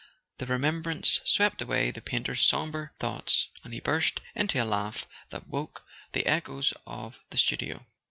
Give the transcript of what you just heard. The remembrance swept away the painter's sombre [ 136 ] A SON AT THE FRONT thoughts, and he burst into a laugh that woke the echoes of the studio.